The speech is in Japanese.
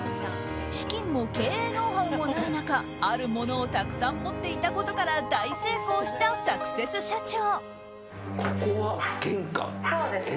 資金も経営ノウハウもない中あるものをたくさん持っていたことから大成功したサクセス社長。